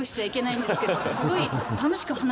すごい。